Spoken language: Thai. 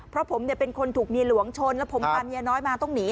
เพราะผมเป็นคนถูกเมียหลวงชนแล้วผมพาเมียน้อยมาต้องหนี